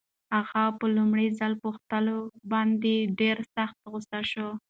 اغا په لومړي ځل پوښتلو باندې ډېر سخت غوسه شو.